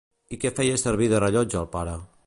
I què feia servir de rellotge el pare?